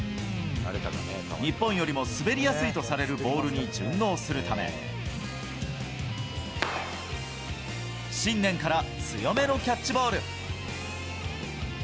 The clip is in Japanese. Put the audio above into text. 日本よりも滑りやすいとされるボールに順応するため、新年から強めのキャッチボール。